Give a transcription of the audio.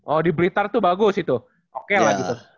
oh di blitar tuh bagus itu oke lah gitu